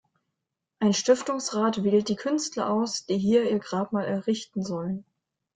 Ein Stiftungsrat wählt die Künstler aus, die hier ihr Grabmal errichten sollen.